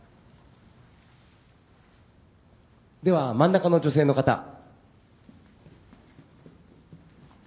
では真ん中の女性の方。